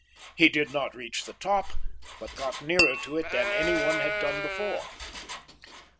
He did not reach the top, but got nearer to it than anyone had done before.